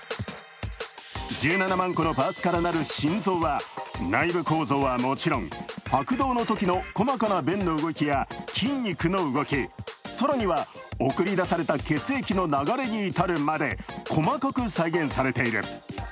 １７万個のパーツから成る心臓は内部構造はもちろん拍動のときの細かな弁の動きや筋肉の動き、更には送り出された血液の流れに至るまで細かく再現されている。